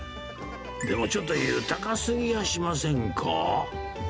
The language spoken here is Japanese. でも、ちょっと豊か過ぎやしませんか？